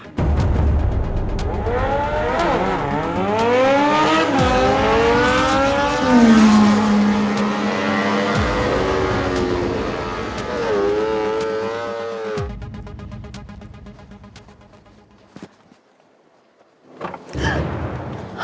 jangan berpikir pikir aja ya